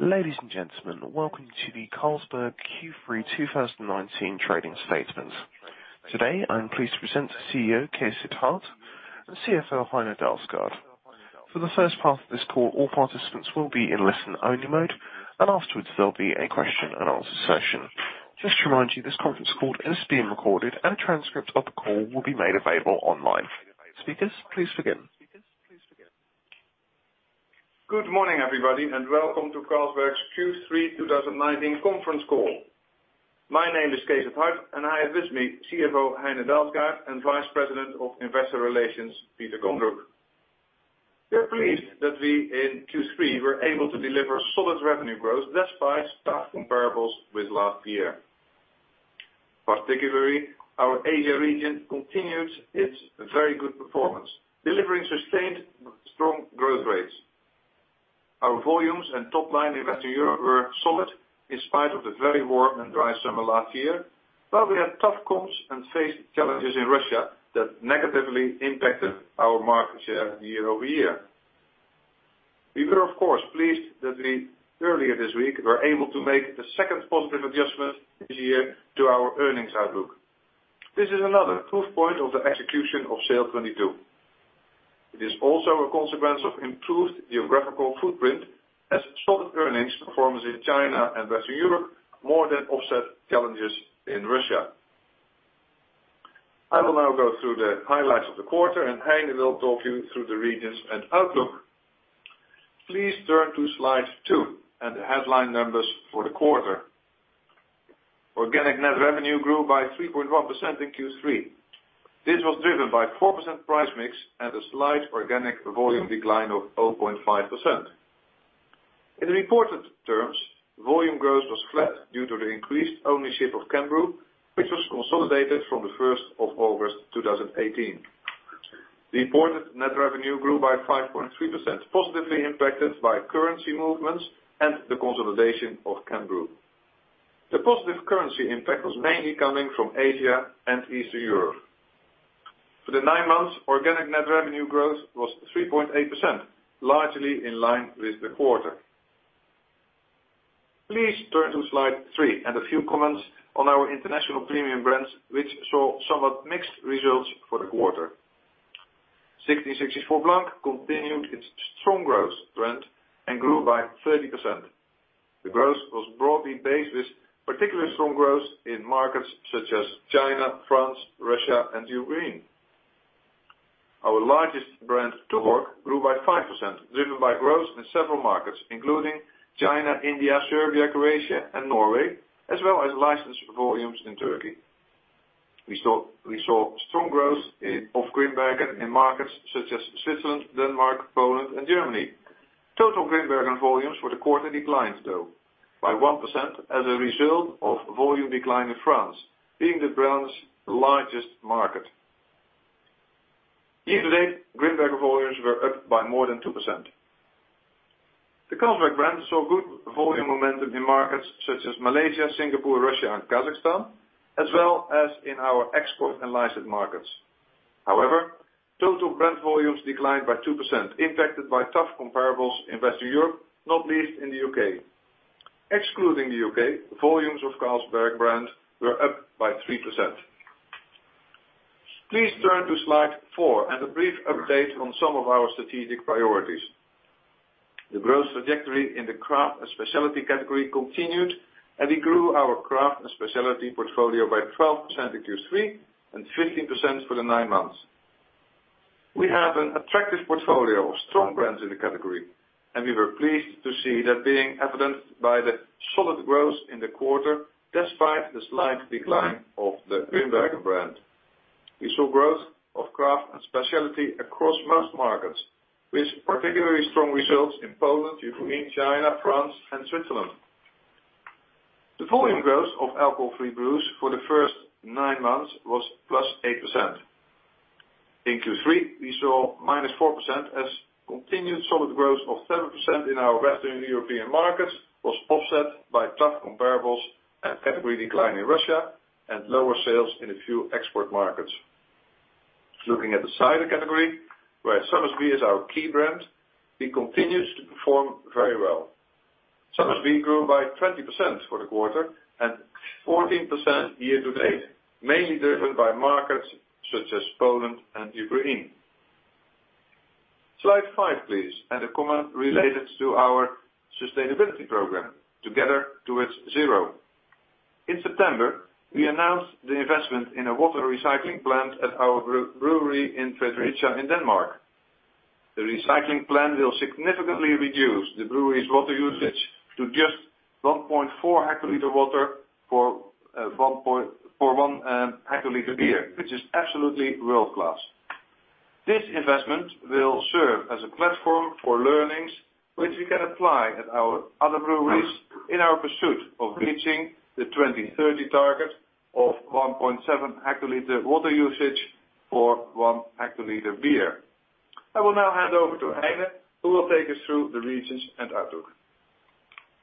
Ladies and gentlemen, welcome to the Carlsberg Q3 2019 trading statements. Today, I'm pleased to present CEO, Cees 't Hart, and CFO, Heine Dalsgaard. For the first part of this call, all participants will be in listen-only mode, and afterwards there'll be a question and answer session. Just to remind you, this conference call is being recorded and a transcript of the call will be made available online. Speakers, please begin. Good morning, everybody, and welcome to Carlsberg's Q3 2019 conference call. My name is Cees 't Hart, and I have with me CFO Heine Dalsgaard, and Vice President of Investor Relations, Peter Kondrup. We are pleased that we, in Q3, were able to deliver solid revenue growth, despite tough comparables with last year. Particularly, our Asia region continued its very good performance, delivering sustained strong growth rates. Our volumes and top line in Western Europe were solid in spite of the very warm and dry summer last year. While we had tough comps and faced challenges in Russia that negatively impacted our market share year-over-year. We were, of course, pleased that we, earlier this week, were able to make the second positive adjustment this year to our earnings outlook. This is another proof point of the execution of SAIL'22. It is also a consequence of improved geographical footprint as solid earnings performance in China and Western Europe more than offset challenges in Russia. I will now go through the highlights of the quarter, and Heine will talk you through the regions and outlook. Please turn to slide two and the headline numbers for the quarter. Organic net revenue grew by 3.1% in Q3. This was driven by 4% price mix and a slight organic volume decline of 0.5%. In reported terms, volume growth was flat due to the increased ownership of Cambrew, which was consolidated from the 1st of August 2018. The important net revenue grew by 5.3%, positively impacted by currency movements and the consolidation of Cambrew. The positive currency impact was mainly coming from Asia and Eastern Europe. For the nine months, organic net revenue growth was 3.8%, largely in line with the quarter. Please turn to slide three and a few comments on our international premium brands, which saw somewhat mixed results for the quarter. 1664 Blanc continued its strong growth trend and grew by 30%. The growth was broadly based with particularly strong growth in markets such as China, France, Russia, and Ukraine. Our largest brand, Tuborg, grew by 5%, driven by growth in several markets including China, India, Serbia, Croatia, and Norway, as well as licensed volumes in Turkey. We saw strong growth of Grimbergen in markets such as Switzerland, Denmark, Poland, and Germany. Total Grimbergen volumes for the quarter declined, though, by 1% as a result of volume decline in France, being the brand's largest market. Year-to-date, Grimbergen volumes were up by more than 2%. The Carlsberg brand saw good volume momentum in markets such as Malaysia, Singapore, Russia, and Kazakhstan, as well as in our export and licensed markets. Total brand volumes declined by 2%, impacted by tough comparables in Western Europe, not least in the U.K. Excluding the U.K., volumes of Carlsberg brand were up by 3%. Please turn to slide four and a brief update on some of our strategic priorities. The growth trajectory in the craft and specialty category continued, we grew our craft and specialty portfolio by 12% in Q3 and 15% for the nine months. We have an attractive portfolio of strong brands in the category, we were pleased to see that being evidenced by the solid growth in the quarter, despite the slight decline of the Grimbergen brand. We saw growth of craft and specialty across most markets, with particularly strong results in Poland, Ukraine, China, France, and Switzerland. The volume growth of alcohol-free brews for the first nine months was plus 8%. In Q3, we saw -4% as continued solid growth of 7% in our Western European markets was offset by tough comparables and category decline in Russia and lower sales in a few export markets. Looking at the cider category, where Somersby is our key brand, it continues to perform very well. Somersby grew by 20% for the quarter and 14% year-to-date, mainly driven by markets such as Poland and Ukraine. Slide five, please, and a comment related to our sustainability program, Together Towards Zero. In September, we announced the investment in a water recycling plant at our brewery in Fredericia in Denmark. The recycling plant will significantly reduce the brewery's water usage to just 1.4 hectoliter water for 1 hectoliter beer, which is absolutely world-class. This investment will serve as a platform for learnings which we can apply at our other breweries in our pursuit of reaching the 2030 target of 1.7 hectoliter water usage for one hectoliter beer. I will now hand over to Heine, who will take us through the regions and outlook.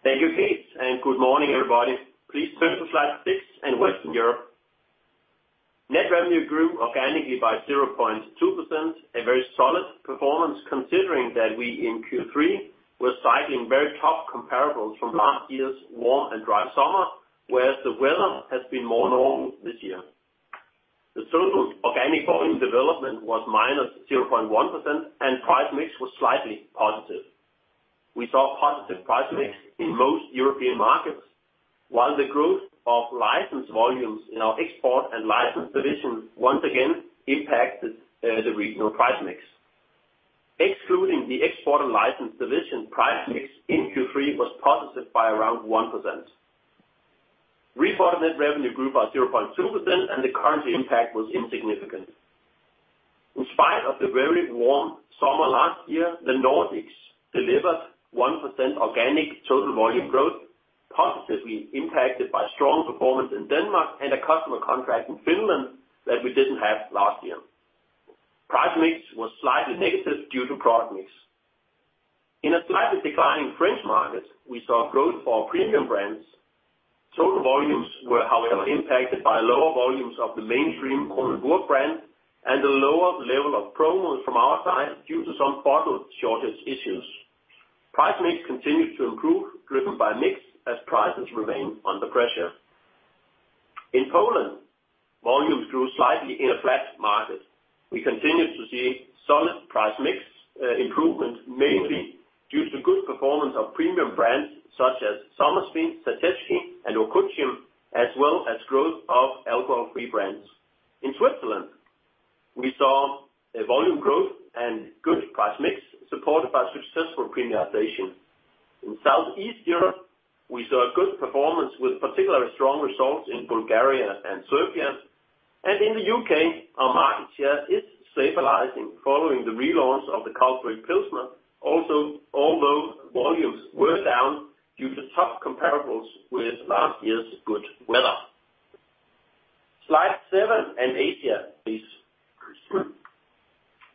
Thank you, Cees, and good morning, everybody. Please turn to slide six in Western Europe. Net revenue grew organically by 0.2%, a very solid performance considering that we in Q3 were cycling very tough comparables from last year's warm and dry summer, whereas the weather has been more normal this year. The total organic volume development was -0.1%, and price mix was slightly positive. We saw positive price mix in most European markets, while the growth of license volumes in our export and license division once again impacted the regional price mix. Excluding the export and license division, price mix in Q3 was positive by around 1%. Reported net revenue grew by 0.2%, and the currency impact was insignificant. In spite of the very warm summer last year, the Nordics delivered 1% organic total volume growth, positively impacted by strong performance in Denmark and a customer contract in Finland that we didn't have last year. Price mix was slightly negative due to product mix. In a slightly declining French market, we saw growth for premium brands. Total volumes were, however, impacted by lower volumes of the mainstream Kronenbourg brand, and a lower level of promotions from our side due to some bottle shortage issues. Price mix continued to improve, driven by mix, as prices remain under pressure. In Poland, volumes grew slightly in a flat market. We continue to see solid price mix improvement, mainly due to good performance of premium brands such as Somersby, Žatecký, and Okocim, as well as growth of alcohol-free brands. In Switzerland, we saw a volume growth and good price mix, supported by successful premiumization. In South East Europe, we saw good performance with particularly strong results in Bulgaria and Serbia. In the U.K., our market share is stabilizing following the relaunch of the Carlsberg Pilsner, although volumes were down due to tough comparables with last year's good weather. Slide seven and Asia, please.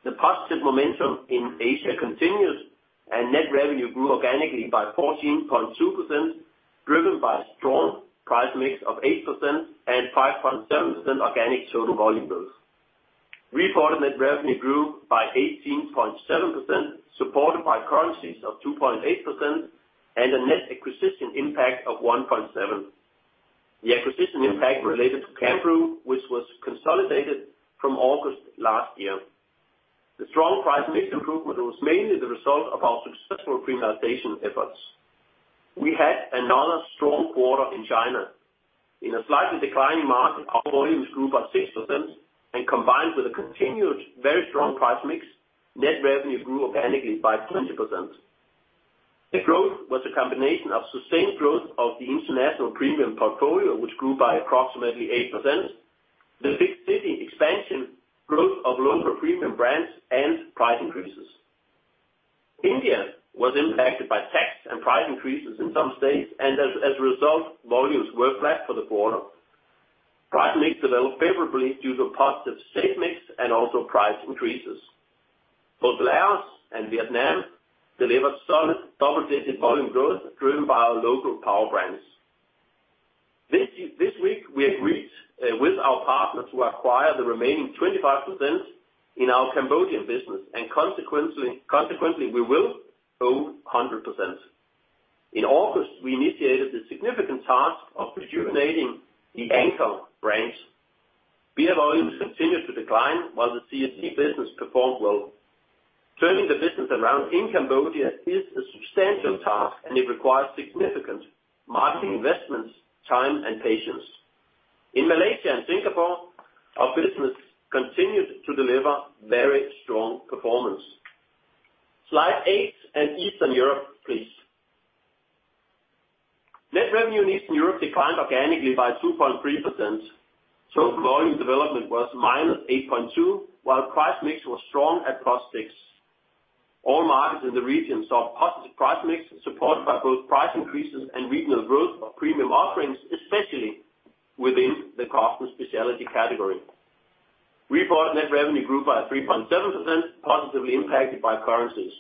The positive momentum in Asia continues, and net revenue grew organically by 14.2%, driven by strong price mix of 8% and 5.7% organic total volume growth. Reported net revenue grew by 18.7%, supported by currencies of 2.8% and a net acquisition impact of 1.7%. The acquisition impact related to Cambrew, which was consolidated from August last year. The strong price mix improvement was mainly the result of our successful premiumization efforts. We had another strong quarter in China. In a slightly declining market, our volumes grew by 6%, and combined with a continued very strong price mix, net revenue grew organically by 20%. The growth was a combination of sustained growth of the international premium portfolio, which grew by approximately 8%, the big city expansion growth of local premium brands, and price increases. As a result, volumes were flat for the quarter. Price mix developed favorably due to positive sales mix and also price increases. Both Laos and Vietnam delivered solid double-digit volume growth driven by our local power brands. This week, we agreed with our partner to acquire the remaining 25% in our Cambodian business. Consequently, we will own 100%. In August, we initiated the significant task of rejuvenating the Angkor brands. Beer volumes continue to decline while the CSD business performed well. Turning the business around in Cambodia is a substantial task. It requires significant marketing investments, time, and patience. In Malaysia and Singapore, our business continued to deliver very strong performance. Slide eight and Eastern Europe, please. Net revenue in Eastern Europe declined organically by 2.3%. Total volume development was -8.2%, while price mix was strong at plus 6%. All markets in the region saw positive price mix, supported by both price increases and regional growth of premium offerings, especially within the craft and specialty category. Reported net revenue grew by 3.7%, positively impacted by currencies.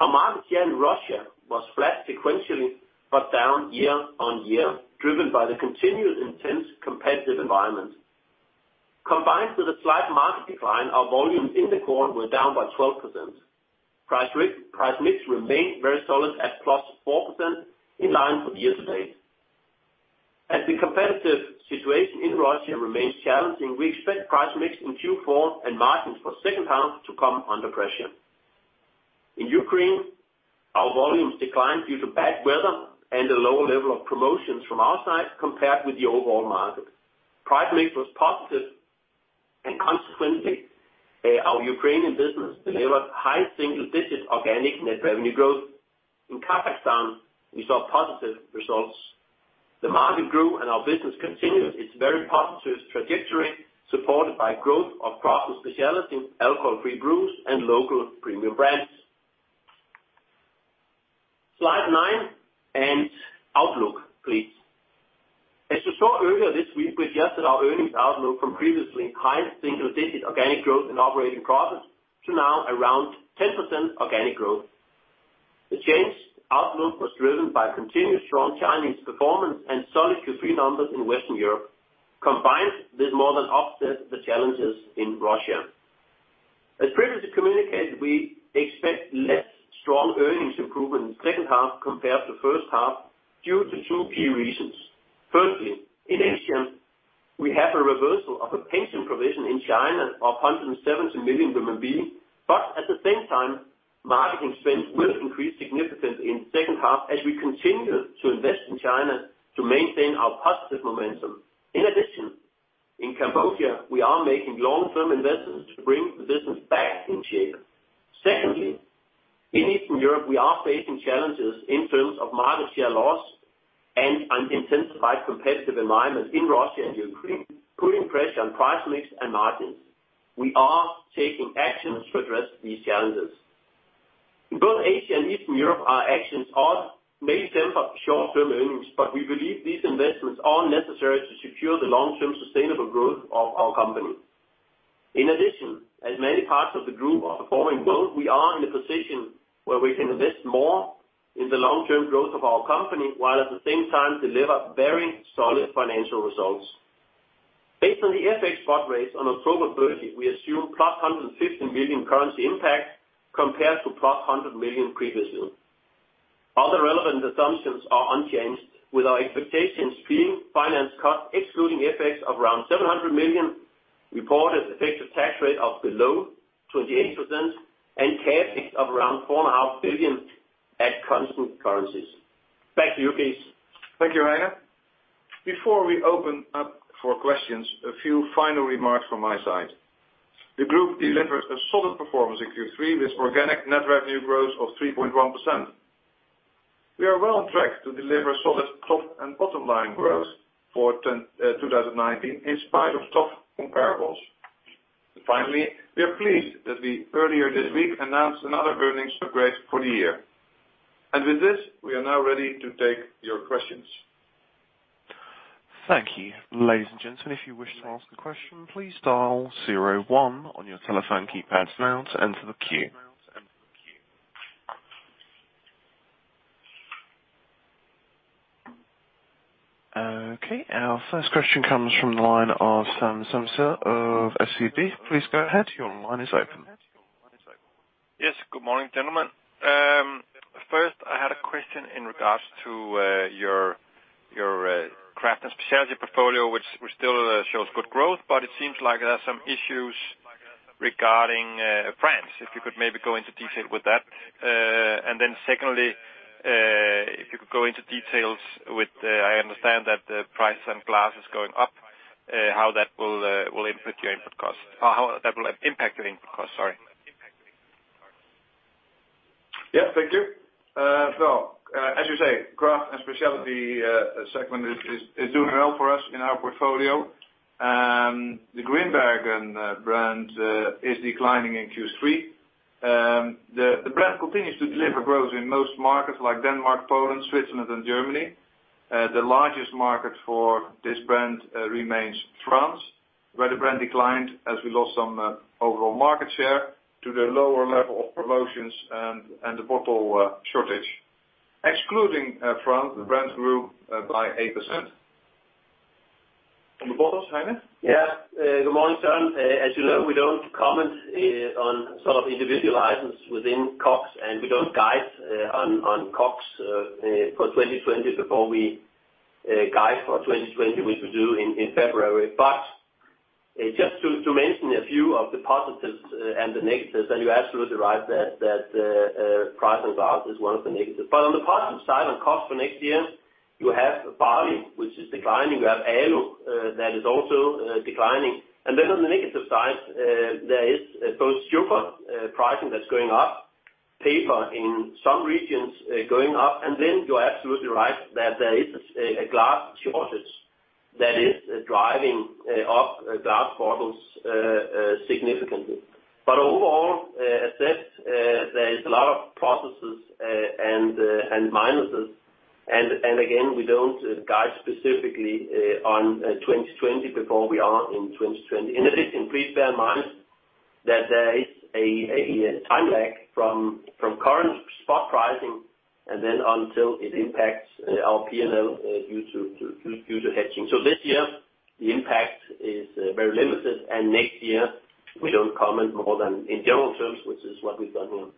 Our market share in Russia was flat sequentially, but down year-on-year, driven by the continued intense competitive environment. Combined with a slight market decline, our volumes in the quarter were down by 12%. Price mix remained very solid at plus 4%, in line for the year-to-date. As the competitive situation in Russia remains challenging, we expect price mix in Q4 and margins for second-half to come under pressure. In Ukraine, our volumes declined due to bad weather and a lower level of promotions from our side compared with the overall market. Price mix was positive, and consequently, our Ukrainian business delivered high single-digit organic net revenue growth. In Kazakhstan, we saw positive results. The market grew, and our business continued its very positive trajectory, supported by growth of craft and specialty, alcohol-free brews, and local premium brands. Slide nine and outlook, please. As you saw earlier this week, we adjusted our earnings outlook from previously high single-digit organic growth in operating profits to now around 10% organic growth. The changed outlook was driven by continued strong Chinese performance and solid Q3 numbers in Western Europe. Combined, this more than offset the challenges in Russia. As previously communicated, we expect less strong earnings improvement in the second half compared to first half due to two key reasons. Firstly, in Asia, we have a reversal of a pension provision in China of 170 million. At the same time, marketing spend will increase significantly in the second half as we continue to invest in China to maintain our positive momentum. In addition, in Cambodia, we are making long-term investments to bring the business back on track. Secondly, in Eastern Europe, we are facing challenges in terms of market share loss and an intensified competitive environment in Russia and Ukraine, putting pressure on price mix and margins. We are taking actions to address these challenges. In both Asia and Eastern Europe, our actions may temper short-term earnings, but we believe these investments are necessary to secure the long-term sustainable growth of our company. In addition, as many parts of the group are performing well, we are in a position where we can invest more in the long-term growth of our company while at the same time deliver very solid financial results. Based on the FX spot rates on October 30th, we assume +150 million currency impact compared to +100 million previously. Other relevant assumptions are unchanged, with our expectations being finance cost excluding FX of around 700 million, reported effective tax rate of below 28%, and cash of around 4.5 billion at constant currencies. Back to you, Cees. Thank you, Heine. Before we open up for questions, a few final remarks from my side. The group delivers a solid performance in Q3 with organic net revenue growth of 3.1%. We are well on track to deliver solid top and bottom line growth for 2019 in spite of tough comparables. Finally, we are pleased that we earlier this week announced another earnings upgrade for the year. With this, we are now ready to take your questions. Thank you. Ladies and gentlemen, if you wish to ask a question, please dial zero one on your telephone keypads now to enter the queue. Our first question comes from the line of Søren Samsøe of SEB. Please go ahead. Your line is open. Yes. Good morning, gentlemen. First, I had a question in regards to your craft and specialty portfolio, which still shows good growth, but it seems like there are some issues regarding France. If you could maybe go into detail with that. Secondly, if you could go into details with, I understand that the price on glass is going up, how that will impact your input costs. Sorry. Thank you. As you say, craft and specialty segment is doing well for us in our portfolio. The Grimbergen brand is declining in Q3. The brand continues to deliver growth in most markets like Denmark, Poland, Switzerland, and Germany. The largest market for this brand remains France, where the brand declined as we lost some overall market share due to lower level of promotions and the bottle shortage. Excluding France, the brand grew by 8%. The bottles, Heine? Good morning, Søren. As you know, we don't comment on individual items within COGS, and we don't guide on COGS for 2020 before we guide for 2020, which we do in February. Just to mention a few of the positives and the negatives, you're absolutely right that price on glass is one of the negatives. On the positive side, on costs for next year, you have barley, which is declining. You have ALU that is also declining. On the negative side, there is both sugar pricing that's going up, paper in some regions going up. You're absolutely right that there is a glass shortage that is driving up glass bottles significantly. Overall, as said, there is a lot of pluses and minuses. Again, we don't guide specifically on 2020 before we are in 2020. In addition, please bear in mind that there is a time lag from current spot pricing and then until it impacts our P&L due to hedging. This year, the impact is very limited, and next year, we don't comment more than in general terms, which is what we've done here.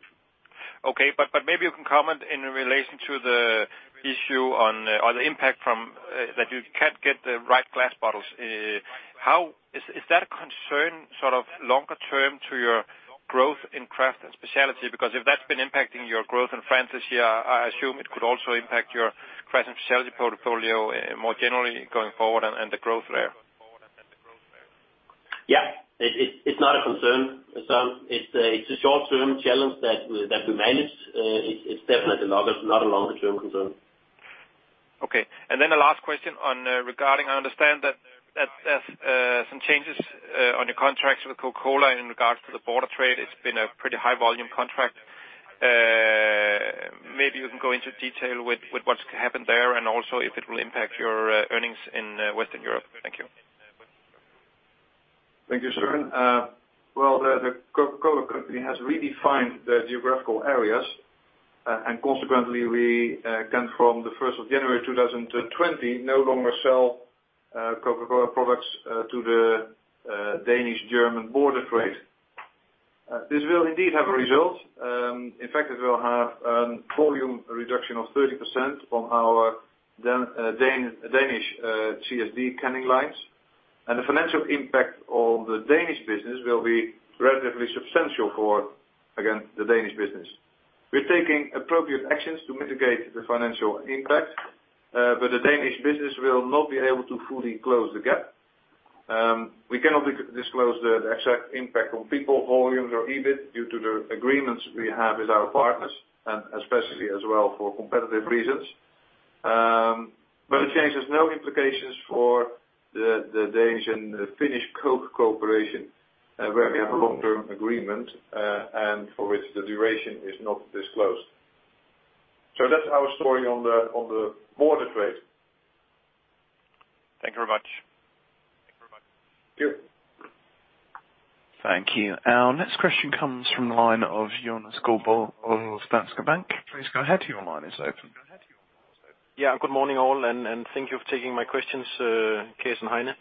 Okay. Maybe you can comment in relation to the issue on the impact from that you can't get the right glass bottles. Is that a concern longer term to your growth in craft and specialty? Because if that's been impacting your growth in France this year, I assume it could also impact your craft and specialty portfolio more generally going forward and the growth there. Yeah. It's not a concern, Søren. It's a short-term challenge that we manage. It's definitely not a longer-term concern. Okay. The last question regarding, I understand that there's some changes on your contracts with Coca-Cola in regards to the border trade. It's been a pretty high volume contract. Maybe you can go into detail with what's happened there and also if it will impact your earnings in Western Europe. Thank you. Thank you, Søren. Well, The Coca-Cola Company has redefined the geographical areas, and consequently, we can from the 1st of January 2020, no longer sell Coca-Cola products to the Danish-German border trade. This will indeed have a result. In fact, it will have a volume reduction of 30% on our Danish CSD canning lines. The financial impact on the Danish business will be relatively substantial for, again, the Danish business. We're taking appropriate actions to mitigate the financial impact, but the Danish business will not be able to fully close the gap. We cannot disclose the exact impact on people, volumes or EBIT due to the agreements we have with our partners, and especially as well for competitive reasons. The change has no implications for the Danish and Finnish Coke corporation, where we have a long-term agreement, and for which the duration is not disclosed. That's our story on the border trade. Thank you very much. Yep. Thank you. Our next question comes from the line of Jonas Guldborg of Danske Bank. Please go ahead. Your line is open. Yeah, good morning all, thank you for taking my questions, Cees and Heine.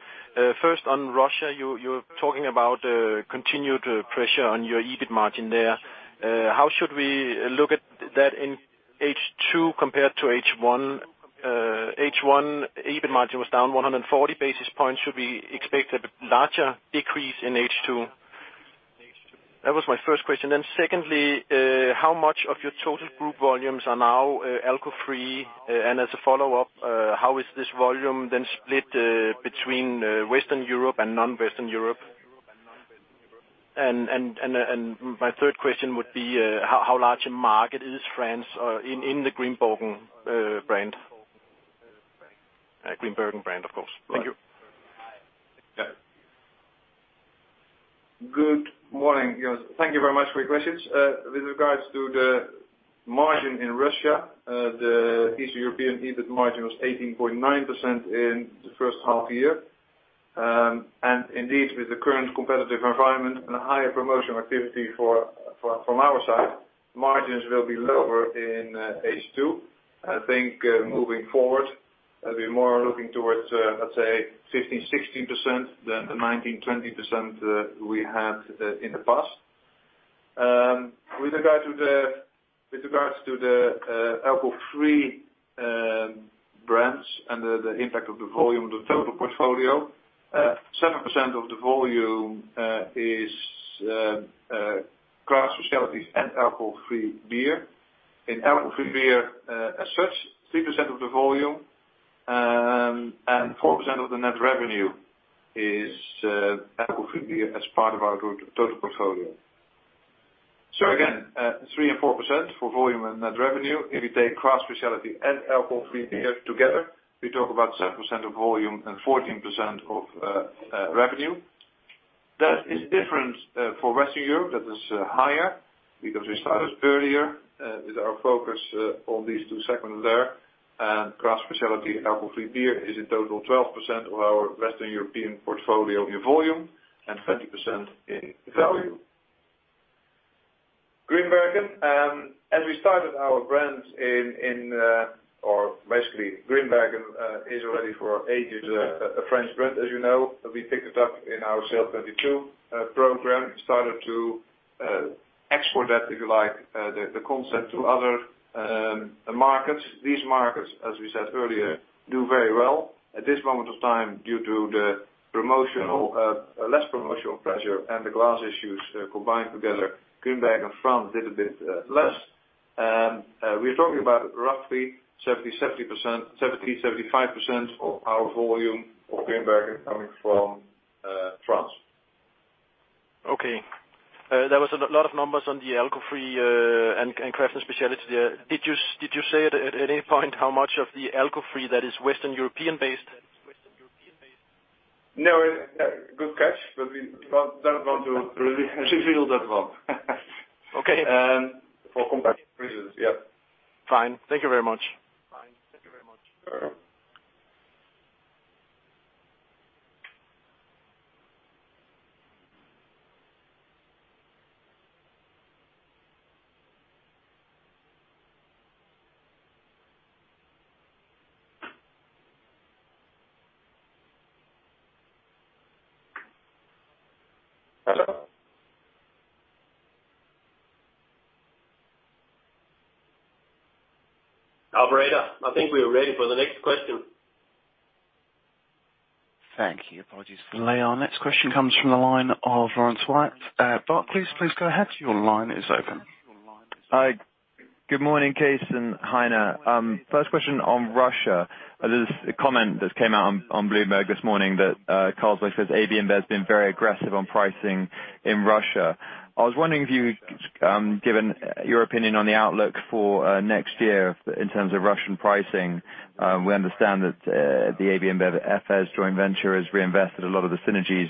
First on Russia, you're talking about continued pressure on your EBIT margin there. How should we look at that in H2 compared to H1? H1 EBIT margin was down 140 basis points. Should we expect a larger decrease in H2? That was my first question. Secondly, how much of your total group volumes are now alcohol-free? As a follow-up, how is this volume then split between Western Europe and non-Western Europe? My third question would be, how large a market is France in the Grimbergen brand? Grimbergen brand, of course. Thank you. Good morning, Jonas. Thank you very much for your questions. With regards to the margin in Russia, the East European EBIT margin was 18.9% in the first half year. Indeed, with the current competitive environment and a higher promotion activity from our side, margins will be lower in H2. I think moving forward, it will be more looking towards, let's say, 15%-16%, than the 19%-20% we had in the past. With regards to the alcohol-free brands and the impact of the volume of the total portfolio, 7% of the volume is craft specialties and alcohol-free beer. In alcohol-free beer as such, 3% of the volume and 4% of the net revenue is alcohol-free beer as part of our total portfolio. Again, 3% and 4% for volume and net revenue. If you take craft specialty and alcohol-free beer together, we talk about 7% of volume and 14% of revenue. That is different for Western Europe. That is higher because we started earlier with our focus on these two segments there, and craft specialty and alcohol-free beer is a total 12% of our Western European portfolio in volume and 30% in value. Grimbergen is already for ages a French brand, as you know. We picked it up in our SAIL'22 program and started to export that, if you like, the concept to other markets. These markets, as we said earlier, do very well. At this moment of time, due to the less promotional pressure and the glass issues combined together, Grimbergen France did a bit less. We're talking about roughly 70%-75% of our volume of Grimbergen coming from France. Okay. There was a lot of numbers on the alcohol-free and craft and specialty there. Did you say at any point how much of the alcohol-free that is Western European based? No. Good catch, but we don't want to reveal that one. Okay. For competitive reasons. Yep. Fine. Thank you very much. Sure. Hello? Operator, I think we are ready for the next question. Thank you. Apologies for the delay. Our next question comes from the line of Laurence Whyatt at Berenberg. Please go ahead. Your line is open. Hi. Good morning, Cees and Heine. First question on Russia. There's a comment that came out on Bloomberg this morning that Carlsberg says AB InBev's been very aggressive on pricing in Russia. I was wondering if you've given your opinion on the outlook for next year in terms of Russian pricing. We understand that the AB InBev Efes joint venture has reinvested a lot of the synergies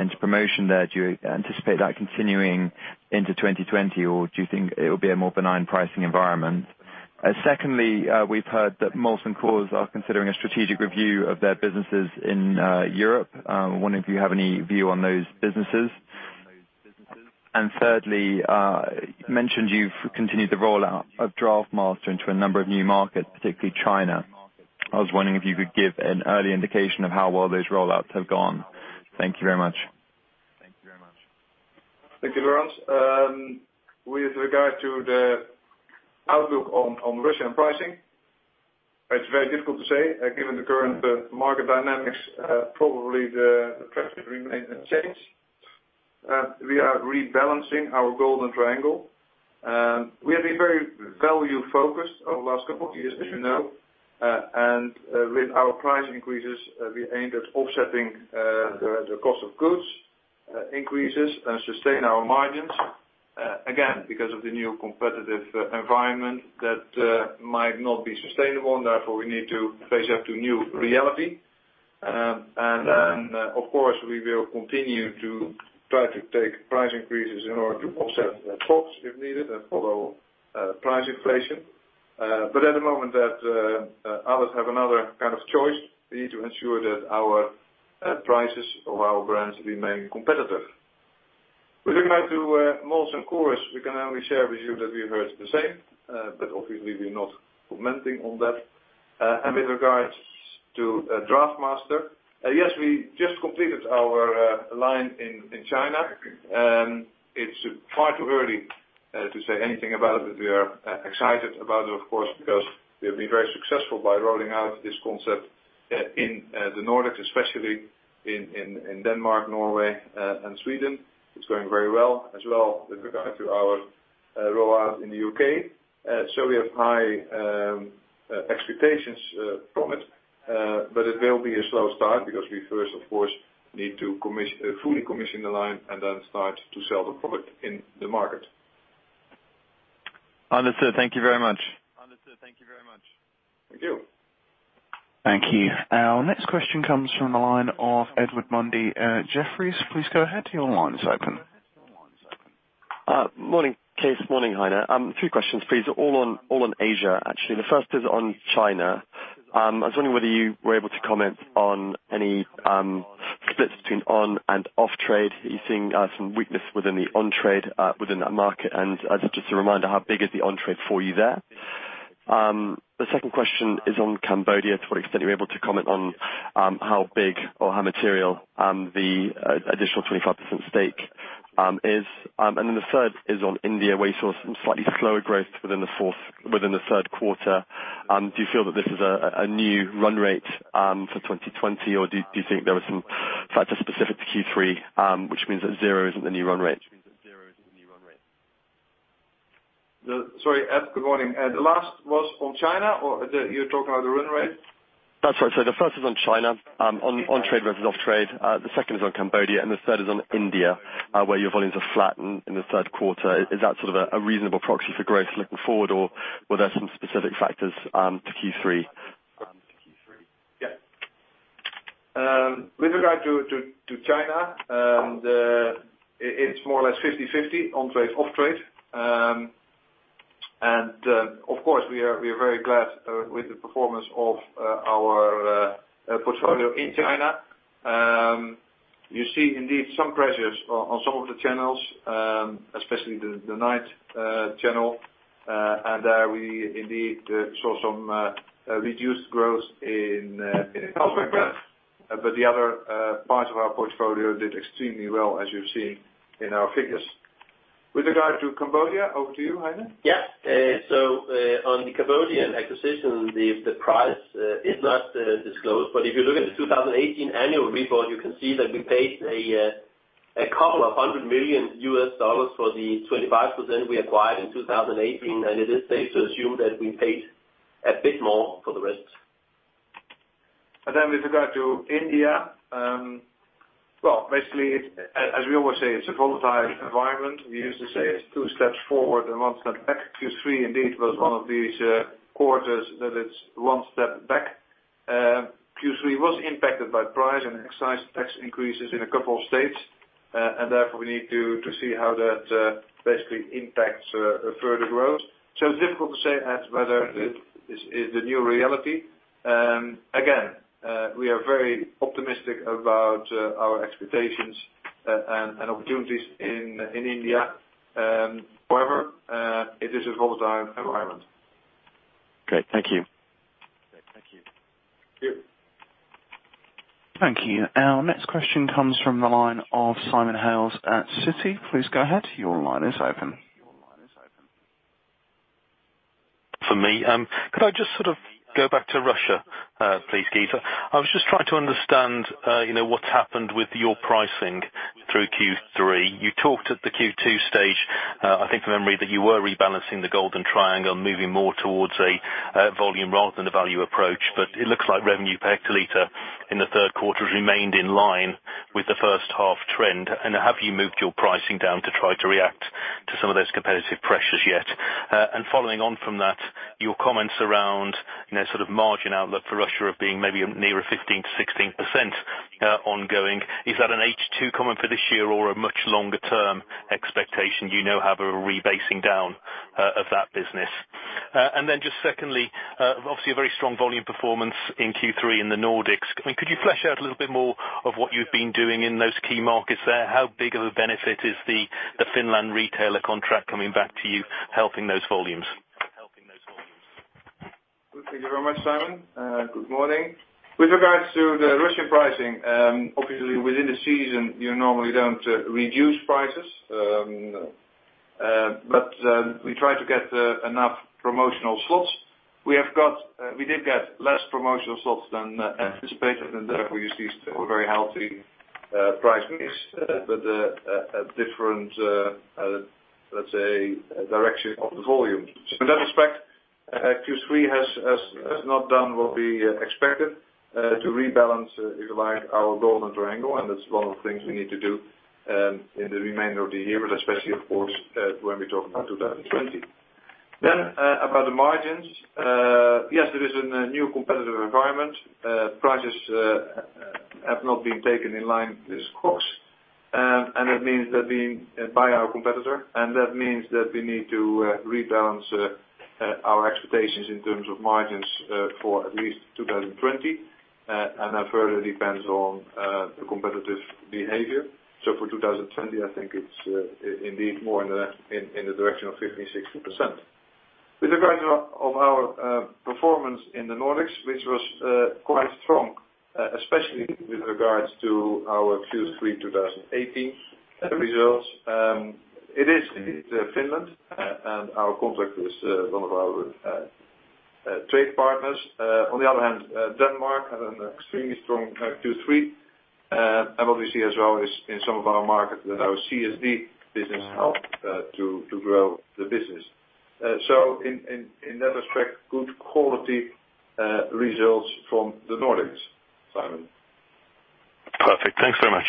into promotion there. Do you anticipate that continuing into 2020, or do you think it'll be a more benign pricing environment? Secondly, we've heard that Molson Coors are considering a strategic review of their businesses in Europe. I wonder if you have any view on those businesses. Thirdly, you mentioned you've continued the rollout of DraughtMaster into a number of new markets, particularly China. I was wondering if you could give an early indication of how well those rollouts have gone. Thank you very much. Thank you very much. With regard to the outlook on Russian pricing, it is very difficult to say, given the current market dynamics, probably the pressure remains unchanged. We are rebalancing our Golden Triangle. We have been very value-focused over the last couple of years, as you know. With our price increases, we aimed at offsetting the cost of goods increases and sustain our margins, again, because of the new competitive environment that might not be sustainable, and therefore we need to face up to new reality. Of course, we will continue to try to take price increases in order to offset costs if needed and follow price inflation. At the moment that others have another kind of choice, we need to ensure that our prices of our brands remain competitive. With regard to Molson Coors, we can only share with you that we heard the same, obviously we're not commenting on that. With regards to DraughtMaster, yes, we just completed our line in China. It's far too early to say anything about it, we are excited about it, of course, because we have been very successful by rolling out this concept in the Nordics, especially in Denmark, Norway, and Sweden. It's going very well, as well as with regard to our rollout in the U.K. We have high expectations from it will be a slow start because we first, of course, need to fully commission the line and then start to sell the product in the market. Understood. Thank you very much. Thank you. Thank you. Our next question comes from the line of Edward Mundy at Jefferies. Please go ahead. Your line is open. Morning, Cees 't Hart. Morning, Heine Dalsgaard. Three questions, please, all on Asia, actually. The first is on China. I was wondering whether you were able to comment on any splits between on and off-trade. Are you seeing some weakness within the on-trade within that market? Just a reminder, how big is the on-trade for you there? The second question is on Cambodia, to what extent you're able to comment on how big or how material the additional 25% stake is. The third is on India, where you saw some slightly slower growth within the third quarter. Do you feel that this is a new run rate for 2020, or do you think there were some factors specific to Q3, which means that zero isn't the new run rate? Sorry, Ed, good morning. The last was on China, or you're talking about the run rate? That's right, sir. The first is on China, on on-trade versus off-trade. The second is on Cambodia, and the third is on India, where your volumes are flat in the third quarter. Is that sort of a reasonable proxy for growth looking forward, or were there some specific factors to Q3? Yeah. With regard to China, it's more or less 50/50 on-trade, off-trade. Of course, we are very glad with the performance of our portfolio in China. You see indeed some pressures on some of the channels, especially the night channel. There we indeed saw some reduced growth in Carlsberg brand. The other parts of our portfolio did extremely well, as you've seen in our figures. With regard to Cambodia, over to you, Heine. On the Cambodian acquisition, the price is not disclosed. If you look at the 2018 annual report, you can see that we paid $200 million for the 25% we acquired in 2018. It is safe to assume that we paid a bit more for the rest. With regard to India, well, basically, as we always say, it's a volatile environment. We used to say it's two steps forward and one step back. Q3 indeed was one of these quarters that it's one step back. Q3 was impacted by price and excise tax increases in a couple of states, and therefore we need to see how that basically impacts further growth. It's difficult to say as whether this is the new reality. Again, we are very optimistic about our expectations and opportunities in India. However, it is a volatile environment. Great. Thank you. Thank you. Thank you. Our next question comes from the line of Simon Hales at Citi. Please go ahead. Your line is open. For me, could I just sort of go back to Russia, please, Cees? I was just trying to understand what's happened with your pricing through Q3. You talked at the Q2 stage, I think from memory, that you were rebalancing the Golden Triangle, moving more towards a volume rather than a value approach. It looks like revenue per hectoliter in the third quarter has remained in line with the first half trend. Have you moved your pricing down to try to react to some of those competitive pressures yet? Following on from that, your comments around sort of margin outlook for Russia of being maybe nearer 15%-16% ongoing, is that an H2 comment for this year or a much longer term expectation you now have a rebasing down of that business? Just secondly, obviously a very strong volume performance in Q3 in the Nordics. Could you flesh out a little bit more of what you've been doing in those key markets there? How big of a benefit is the Finland retailer contract coming back to you, helping those volumes? Thank you very much, Simon. Good morning. With regards to the Russian pricing, obviously within the season, you normally don't reduce prices. We try to get enough promotional slots. We did get less promotional slots than anticipated, therefore you see very healthy price mix, but a different, let's say, direction of the volumes. In that respect, Q3 has not done what we expected to rebalance in line our Golden Triangle, that's one of the things we need to do in the remainder of the year, especially of course when we're talking about 2020. About the margins. Yes, it is in a new competitive environment. Prices have not been taken in line with costs by our competitor, that means that we need to rebalance our expectations in terms of margins for at least 2020. That further depends on the competitive behavior. For 2020, I think it's indeed more in the direction of 15%-60%. With regards of our performance in the Nordics, which was quite strong, especially with regards to our Q3 2018 results. It is indeed Finland, and our contract with one of our trade partners. On the other hand, Denmark had an extremely strong Q3. What we see as well is in some of our markets that our CSD business helped to grow the business. In that respect, good quality results from the Nordics, Simon. Perfect. Thanks very much.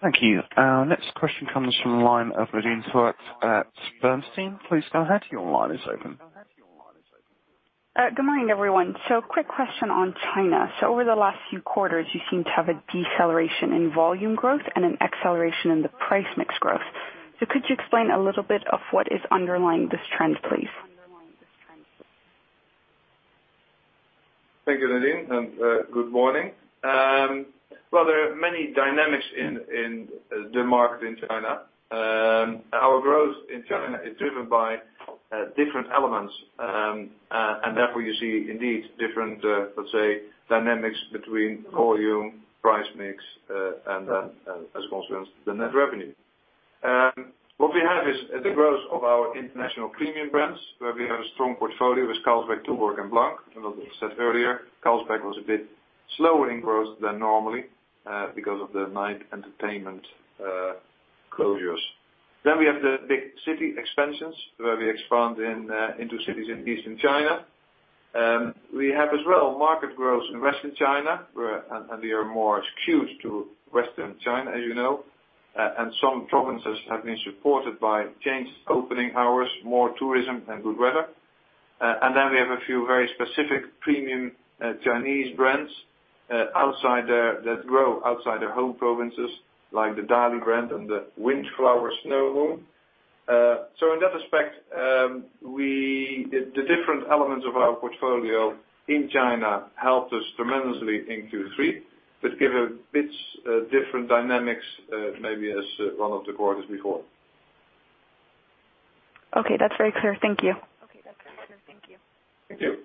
Thank you. Thank you. Our next question comes from the line of Nadine Sarwat at Bernstein. Please go ahead. Your line is open. Good morning, everyone. Quick question on China. Over the last few quarters, you seem to have a deceleration in volume growth and an acceleration in the price mix growth. Could you explain a little bit of what is underlying this trend, please? Thank you, Nadine. Good morning. Well, there are many dynamics in the market in China. Our growth in China is driven by different elements. Therefore you see indeed different, let's say, dynamics between volume, price mix, and as a consequence, the net revenue. What we have is the growth of our international premium brands, where we have a strong portfolio with Carlsberg, Tuborg, and Blanc. As we said earlier, Carlsberg was a bit slower in growth than normally, because of the night entertainment closures. We have the big city expansions, where we expand into cities in Eastern China. We have as well market growth in Western China, and we are more skewed to Western China as you know. Some provinces have been supported by changed opening hours, more tourism, and good weather. We have a few very specific premium Chinese brands that grow outside their home provinces, like the Dali brand and the Wind Flower Snow Moon. In that respect, the different elements of our portfolio in China helped us tremendously in Q3, but give a bit different dynamics, maybe as one of the quarters before. Okay, that's very clear. Thank you. Thank you.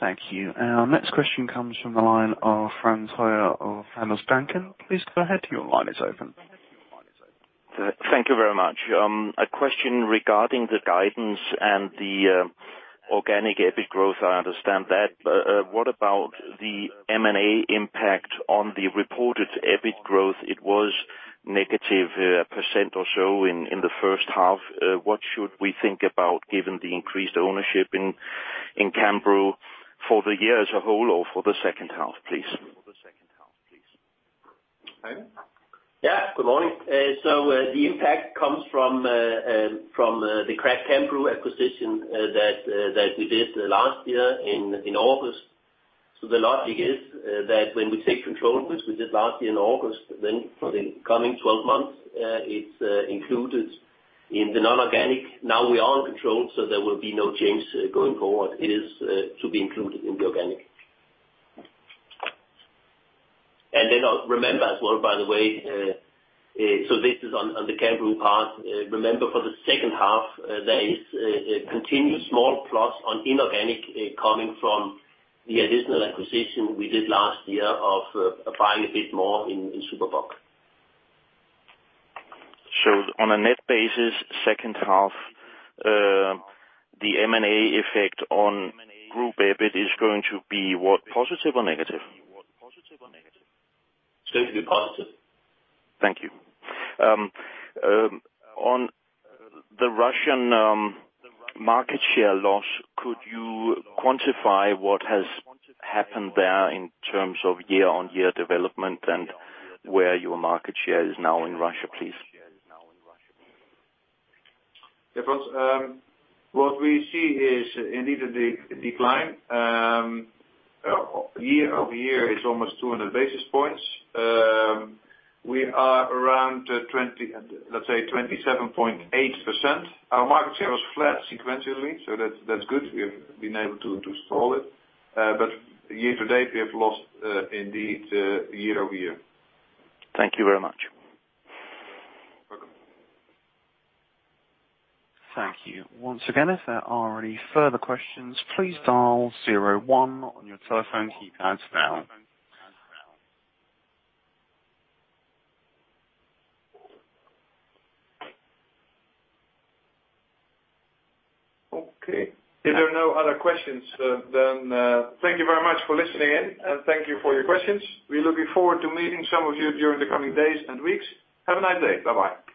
Thank you. Our next question comes from the line of Franz Hoyer of Handelbanken. Please go ahead. Your line is open. Thank you very much. A question regarding the guidance and the organic EBIT growth. I understand that. What about the M&A impact on the reported EBIT growth? It was negative percent or so in the first half. What should we think about given the increased ownership in Cambrew for the year as a whole or for the second half, please? Heine? Good morning. The impact comes from the craft Cambrew acquisition that we did last year in August. The logic is that when we take control, which we did last year in August, then for the coming 12 months, it is included in the non-organic. We are in control, there will be no change going forward. It is to be included in the organic. Remember as well, by the way, this is on the Cambrew part. Remember for the second half, there is a continued small plus on inorganic coming from the additional acquisition we did last year of applying a bit more in Super Bock. On a net basis, second half, the M&A effect on group EBIT is going to be what, positive or negative? It's going to be positive. Thank you. On the Russian market share loss, could you quantify what has happened there in terms of year-on-year development and where your market share is now in Russia, please? Franz. What we see is indeed a decline. Year-over-year is almost 200 basis points. We are around 27.8%. Our market share was flat sequentially, so that's good. We have been able to stall it. Year-to-date, we have lost indeed year-over-year. Thank you very much. Welcome. Thank you. Once again, if there are any further questions, please dial zero one on your telephone keypads now. Okay. If there are no other questions, thank you very much for listening in, and thank you for your questions. We're looking forward to meeting some of you during the coming days and weeks. Have a nice day. Bye-bye.